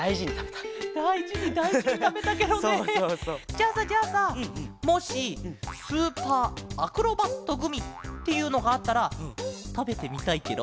じゃあさじゃあさもしスーパーアクロバットグミっていうのがあったらたべてみたいケロ？